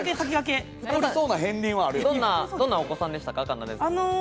どんなお子さんでしたか？